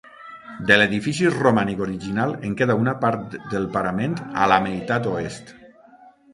De l'edifici romànic original, en queda una part del parament a la meitat oest.